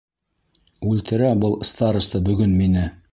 Үлтерә был староста бөгөн мине!